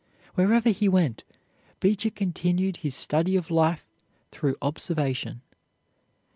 Wherever he went, Beecher continued his study of life through observation.